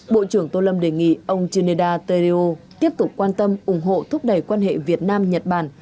bộ trưởng tô lâm đề nghị ông geneda teleo tiếp tục quan tâm ủng hộ thúc đẩy quan hệ việt nam nhật bản